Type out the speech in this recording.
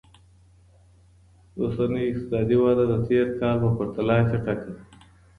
اوسنۍ اقتصادي وده د تير کال په پرتله چټکه ده.